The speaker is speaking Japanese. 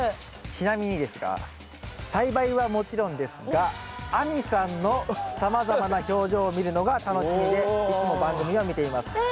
ちなみにですが「栽培はもちろんですが亜美さんのさまざまな表情を見るのが楽しみでいつも番組を見ています」。